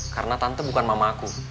karena tante bukan mama aku